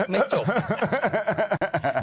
ไม่จบ